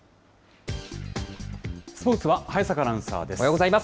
スポーツは早坂アナウンサーです。